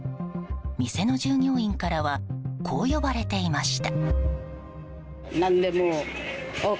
店の従業員からはこう呼ばれていました。